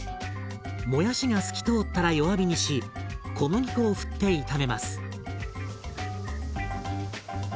もやしが透き通ったら弱火にし小麦粉をふって炒めます。